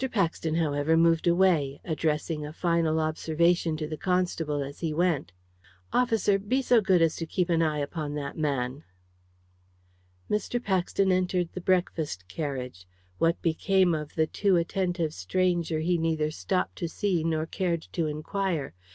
Paxton, however, moved away addressing a final observation to the constable as he went. "Officer, be so good as to keep an eye upon that man." Mr. Paxton entered the breakfast carriage. What became of the too attentive stranger he neither stopped to see nor cared to inquire.